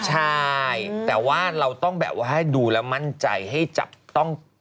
ใช่แต่ว่าเราต้องแบบว่าให้ดูแล้วมั่นใจให้จับต้อง